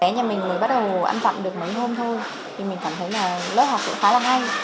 nhà mình mới bắt đầu ăn dặm được mấy hôm thôi thì mình cảm thấy là lớp học cũng khá là ngay